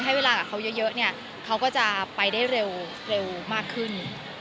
เวลากับเขาเยอะเนี่ยเขาก็จะไปได้เร็วมากขึ้น